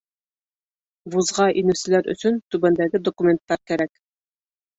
Вузға инеүселәр өсөн түбәндәге документтар кәрәк